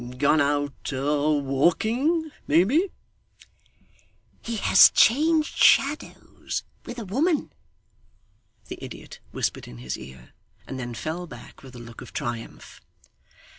'Gone out a walking, maybe?' 'He has changed shadows with a woman,' the idiot whispered in his ear, and then fell back with a look of triumph.